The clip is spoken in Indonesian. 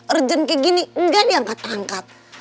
urgen kayak gini gak diangkat angkat